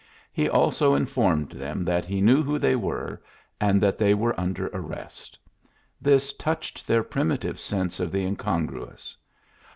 He also informed them that he knew who they were, and that they were under arrest. This touched their primitive sense of the incongruous.